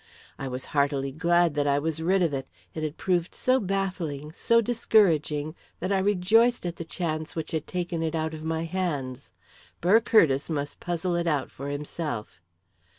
I was heartily glad that I was rid of it; it had proved so baffling, so discouraging that I rejoiced at the chance which had taken it out of my hands. Burr Curtiss must puzzle it out for himself.